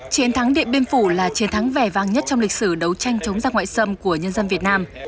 chiến thắng điện biên phủ là chiến thắng vẻ vang nhất trong lịch sử đấu tranh chống ra ngoại xâm của nhân dân việt nam